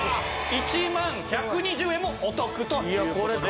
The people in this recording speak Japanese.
１万１２０円もお得という事で。